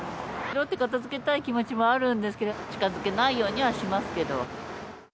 拾って片づけたい気持ちもあるんですけど、近づけないようにはしますけど。